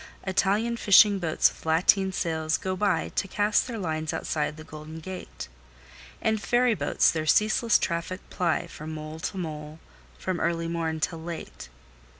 Italian fishing boats with lateen sails go by, To cast their lines outside the Golden Gate; And ferryboats their ceaseless traffic ply, From mole to mole, from early morn till late.